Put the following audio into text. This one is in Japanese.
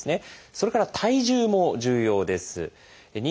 それから体重も重要です。